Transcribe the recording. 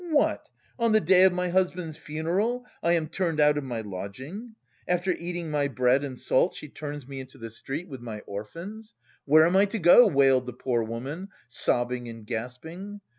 What! On the day of my husband's funeral I am turned out of my lodging! After eating my bread and salt she turns me into the street, with my orphans! Where am I to go?" wailed the poor woman, sobbing and gasping.